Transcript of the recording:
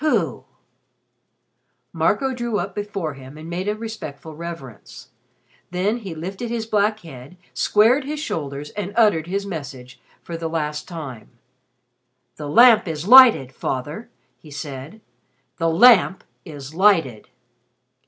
"Who?" Marco drew up before him and made a respectful reverence. Then he lifted his black head, squared his shoulders and uttered his message for the last time. "The Lamp is lighted, Father," he said. "The Lamp is lighted."